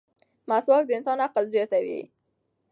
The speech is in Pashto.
مسواک د انسان عقل زیاتوي.